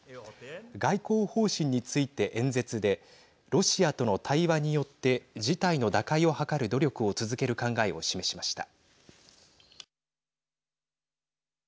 外交方針について演説でロシアとの対話によって事態の打開を図る努力を続ける考えを示しました。